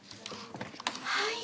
はい。